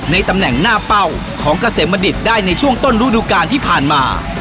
ในตำแหน่งหน้าเป้าของเกษมบัณฑิตได้ในช่วงต้นฤดูการที่ผ่านมา